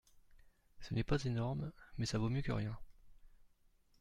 Ce n'est pas énorme ; mais ça vaut mieux que rien.